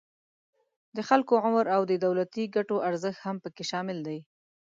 د خلکو عمر او د دولتی ګټو ارزښت هم پکې شامل دي